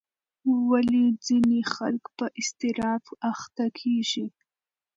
ولې ځینې خلک په اضطراب اخته کېږي؟